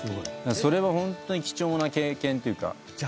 それはホントに貴重な経験っていうか。